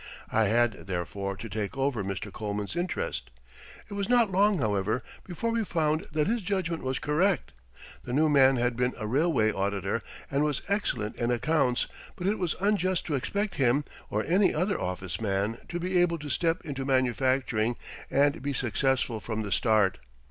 I had, therefore, to take over Mr. Coleman's interest. It was not long, however, before we found that his judgment was correct. The new man had been a railway auditor, and was excellent in accounts, but it was unjust to expect him, or any other office man, to be able to step into manufacturing and be successful from the start.